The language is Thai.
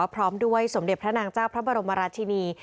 พร้อมด้วยสมเด็จพระนางเจ้าพระบรมราชินี